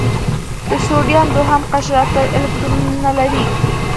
د سوډیم دوهم قشر اته الکترونونه لري.